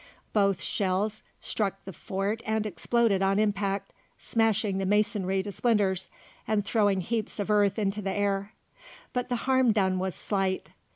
Both shells struck the fort and exploded on impact, smashing the masonry to splinters and throwing heaps of earth into the air; but the harm done was slight.